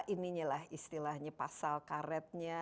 ini istilahnya pasal karetnya